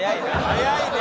早いね。